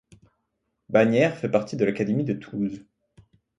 Bannières fait partie de l'académie de Toulouse.